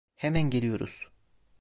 Hemen geliyoruz.